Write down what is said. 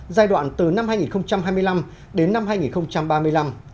giai đoạn từ năm hai nghìn hai mươi năm đến năm hai nghìn ba mươi năm